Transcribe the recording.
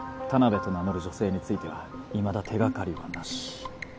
田辺と名乗る女性についてはいまだ手がかりはなし。